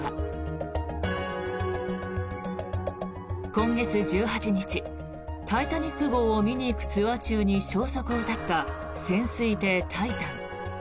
今月１８日「タイタニック号」を見に行くツアー中に消息を絶った潜水艇「タイタン」。